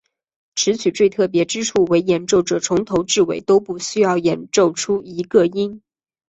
此曲最特别之处为演奏者从头至尾都不需要演奏出一个音。